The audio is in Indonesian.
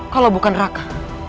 kalau bukan raka